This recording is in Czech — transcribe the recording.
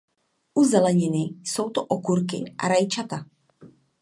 U zeleniny jsou to okurky a rajčata.